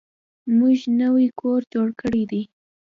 موږ نوی کور جوړ کړی دی.